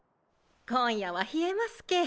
今夜は冷えますけぇ。